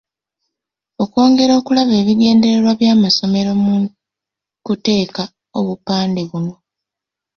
Okwongera okulaba ebigendererwa by’amasomero mu kuteeka obupande buno.